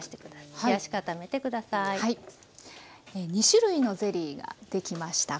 ２種類のゼリーができました。